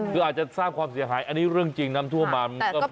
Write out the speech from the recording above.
คืออาจจะสร้างความเสียหายอันนี้เรื่องจริงน้ำท่วมมา